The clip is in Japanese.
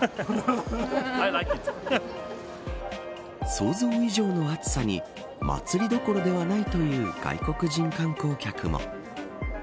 想像以上の暑さに祭りどころではないという外国人観光客も。